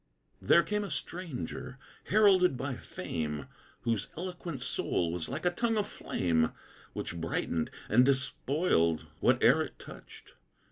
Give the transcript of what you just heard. There came the stranger, heralded by fame, Whose eloquent soul was like a tongue of flame, Which brightened and despoiled whate'er it touched.